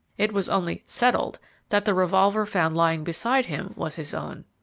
It was only 'settled' that the revolver found lying beside him was his own."